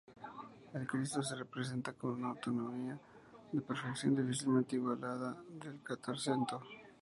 El Cristo se representa con una anatomía de perfección difícilmente igualada en el Quattrocento.